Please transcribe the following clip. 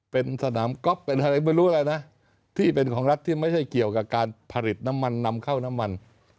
เป็นสนามก๊อฟเป็นอะไรไม่รู้อะไรนะที่เป็นของรัฐที่ไม่ใช่เกี่ยวกับการผลิตน้ำมันนำเข้าน้ำมัน